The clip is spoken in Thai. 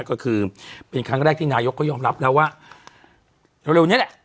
ก็คือเป็นครั้งแรกที่นายกก็ยอมรับแล้วว่าเร็วนี้แหละ